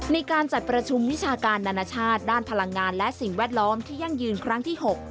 ในการจัดประชุมวิชาการนานาชาติด้านพลังงานและสิ่งแวดล้อมที่ยั่งยืนครั้งที่๖